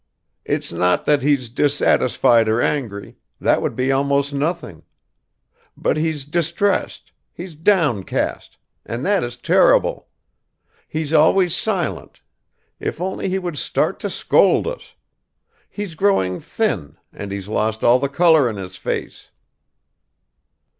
"It's not that he's dissatisfied or angry that would be almost nothing; but he's distressed, he's downcast and that is terrible. He's always silent; if only he would start to scold us; he's growing thin, and he's lost all the color in his face."